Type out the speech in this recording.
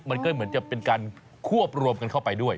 มันก็เหมือนจะเป็นการควบรวมกันเข้าไปด้วย